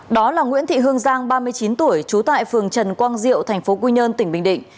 đó là nguyễn thị hương giang ba mươi chín tuổi trú tại phường trần quang diệu tp quy nhơn tỉnh bình định